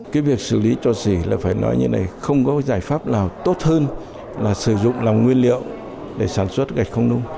cái việc xử lý cho xỉ là phải nói như này không có giải pháp nào tốt hơn là sử dụng lòng nguyên liệu để sản xuất gạch không nung